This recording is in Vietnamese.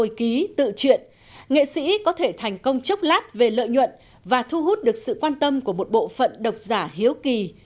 trong bộ phim của hồi ký tự truyện nghệ sĩ có thể thành công chốc lát về lợi nhuận và thu hút được sự quan tâm của một bộ phận độc giả hiếu kỳ